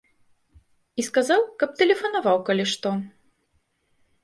І сказаў, каб тэлефанаваў, калі што.